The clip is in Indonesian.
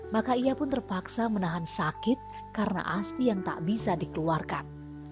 maka ia pun terpaksa menahan sakit karena asi yang tak bisa dikeluarkan